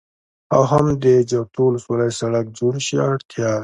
او هم د جغتو ولسوالۍ سړك جوړ شي. اړتياوې: